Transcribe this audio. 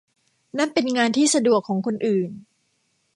นั่นเป็นงานที่สะดวกของคนอื่น